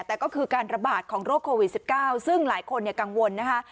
แต่ก็คือการระบาดของโรคโควิด๑๙ซึ่งหลายคนกังวลนะคะ